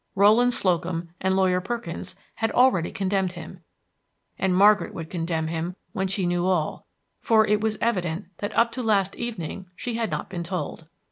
Rowland Slocum and Lawyer Perkins had already condemned him, and Margaret would condemn him when she knew all; for it was evident that up to last evening she had not been told.